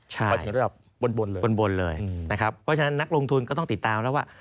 ใช่บนเลยนะครับเพราะฉะนั้นนักลงทุนก็ต้องติดตามแล้วว่า